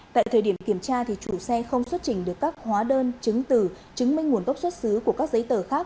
tại thời điểm kiểm tra chủ xe không xuất trình được các hóa đơn chứng từ chứng minh nguồn gốc xuất xứ của các giấy tờ khác